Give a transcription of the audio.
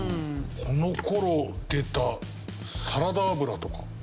この頃出たサラダ油とか。